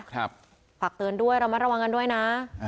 ครับฝากเตือนด้วยเรามาระวังกันด้วยนะ